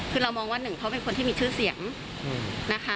คือเรามองว่าหนึ่งเขาเป็นคนที่มีชื่อเสียงนะคะ